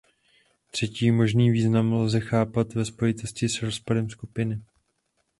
Třetí možný význam lze chápat ve spojitosti s rozpadem skupiny.